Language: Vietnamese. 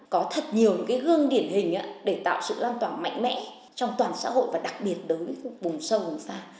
có thật nhiều cái gương điển hình để tạo sự lan tỏa mạnh mẽ trong toàn xã hội và đặc biệt đối với bùng sâu bùng xa